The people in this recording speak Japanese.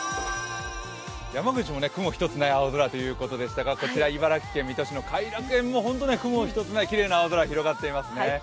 山口も雲一つない青空ということでしたがこちら茨城県水戸市の偕楽園も本当に雲一つない、きれいな青空が広がっていますね。